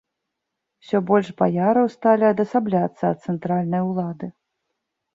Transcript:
Усё больш баяраў сталі адасабляцца ад цэнтральнай улады.